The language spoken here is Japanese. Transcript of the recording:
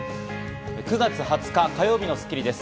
９月２０日、火曜日の『スッキリ』です。